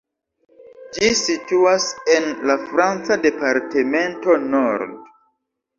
Ĝi situas en la franca departemento Nord.